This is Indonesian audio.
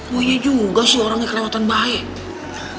boynya juga sih orangnya kelewatan baik